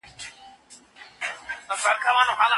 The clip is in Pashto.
ایا ته آنلاین علمي مقالې لولې؟